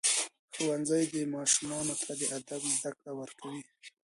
ښوونځی ماشومانو ته د ادب زده کړه ورکوي.